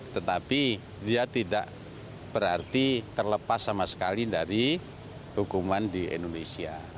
tetapi dia tidak berarti terlepas sama sekali dari hukuman di indonesia